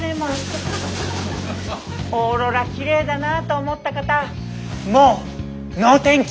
オーロラきれいだなと思った方もう能天気！